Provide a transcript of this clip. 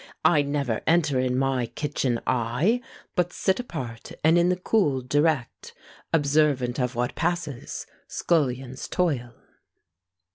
I never enter in my kitchen, I! But sit apart, and in the cool direct, Observant of what passes, scullions' toil.